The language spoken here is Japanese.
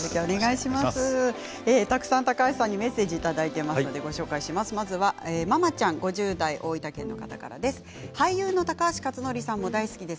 たくさん高橋さんへメッセージをいただいています。